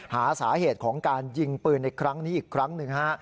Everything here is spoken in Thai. หาสาเหตุของการยิงปืนในครั้งนี้อีกครั้งหนึ่งฮะ